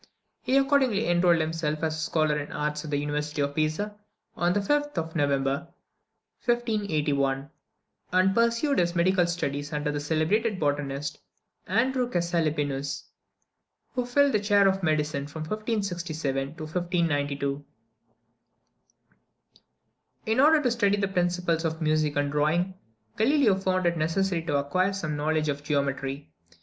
He accordingly enrolled himself as a scholar in arts at the university of Pisa, on the 5th of November, 1581, and pursued his medical studies under the celebrated botanist Andrew Cæsalpinus, who filled the chair of medicine from 1567 to 1592. In order to study the principles of music and drawing, Galileo found it necessary to acquire some knowledge of geometry.